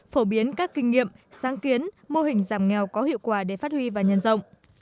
phổ biến các kinh nghiệm sáng kiến mô hình giảm nghèo có hiệu quả để phát huy và nhân rộng